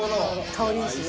香りいいしね。